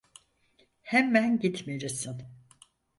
Hemen gitmelisin.